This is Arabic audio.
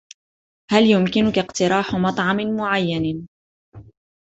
هل يمكنك اقتراح مطعم معين؟